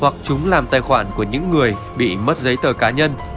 hoặc chúng làm tài khoản của những người bị mất giấy tờ cá nhân